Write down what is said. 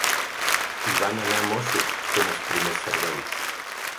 Hi van anar mossos, fent els primers serveis.